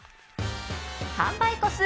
販売個数